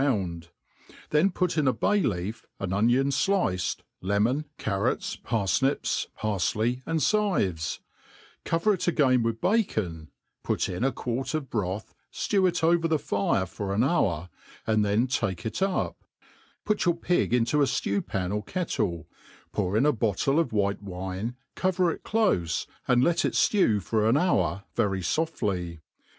round ^ thet^ put in a bay le^f, an onion fliced, lemon, carrots, parf* nips, pariley, find cives ; cover it again with b^on^ p4Jt in 9^ quart ofsbrotb, ftew it over/ the fire for an hour, and theo tatc it up ; put your pig into a ftew pan or kettle;, pour in a bottle of white wine, cover it clofe, afid let it ftew for an hour very fofdy.